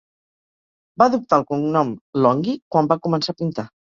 Va adoptar el cognom Longhi quan va començar a pintar.